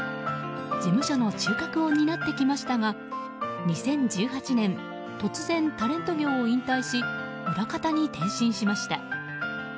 事務所の中核を担ってきましたが２０１８年突然タレント業を引退し裏方に転身しました。